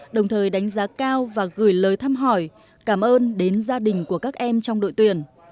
đồng thời đánh giá cao và gửi lời thăm hỏi cảm ơn đến gia đình của các em trong đội tuyển